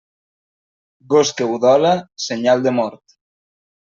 Gos que udola, senyal de mort.